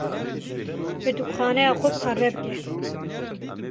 Pirtûkxaneya xwe parve bike.